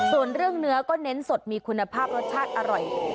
ส่วนเรื่องเนื้อก็เน้นสดมีคุณภาพรสชาติอร่อย